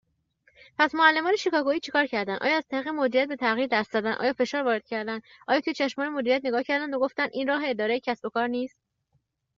پس معلمان شیکاگویی چه کار کردند؟ آیا از طریق مدیریت به تغییر دست زدند؟ آیا فشار وارد کردند؟ آیا توی چشمان مدیریت نگاه کردند و گفتند، «این راه اداره یک کسب و کار نیست